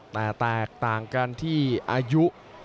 แต่แตกต่างกันที่อายุ